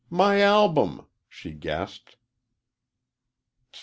"My album!" she gasped.